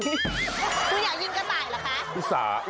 คุณอยากยิงกระต่ายเหรอคะ